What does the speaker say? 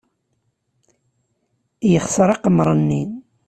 Yexṣer aqemmer-nni.